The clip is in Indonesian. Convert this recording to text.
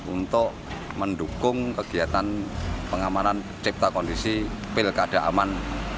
untuk mendukung kegiatan pengamanan cipta kondisi pil keadaan aman dua ribu delapan belas